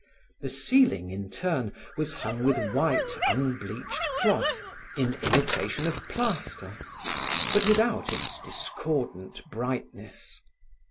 The ceiling, in turn, was hung with white, unbleached cloth, in imitation of plaster, but without its discordant brightness.